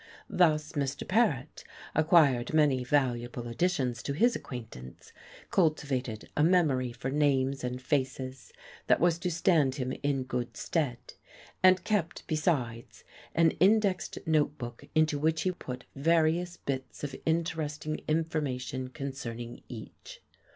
Thus Mr. Paret acquired many valuable additions to his acquaintance, cultivated a memory for names and faces that was to stand him in good stead; and kept, besides, an indexed note book into which he put various bits of interesting information concerning each.